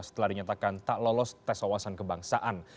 setelah dinyatakan tak lolos tes wawasan kebangsaan